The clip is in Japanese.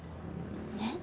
ねっ？